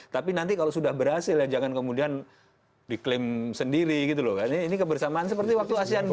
tapi nanti kalau sudah berhasil ya jangan kemudian diklaim sendiri gitu loh kan ini kebersamaan seperti waktu asean